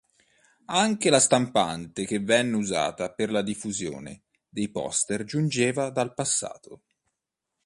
Anche la stampante che venne usata per la diffusione dei poster giungeva dal passato.